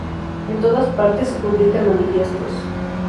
En todas partes se publican "manifiestos".